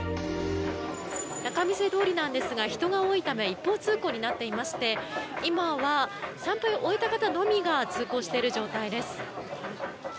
仲見世通りなんですが人が多いため一方通行になっていまして今は参拝を終えた方のみが通行している状態です。